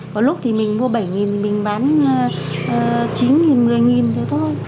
có lúc thì mình mua bảy nghìn mình bán chín nghìn một mươi nghìn thôi thôi